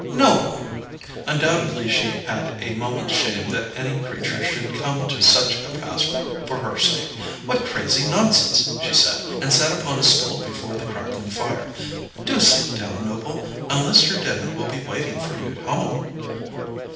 "Noble!" Undoubtedly she had a moment's shame that any creature should come to such a pass for her sake. "What crazy nonsense!" she said; and sat upon a stool before the crackling fire. "Do sit down, Noble unless your dinner will be waiting for you at home?"